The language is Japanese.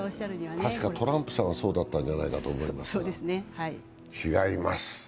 たしかトランプさんがそうだったんじゃないかと、違います。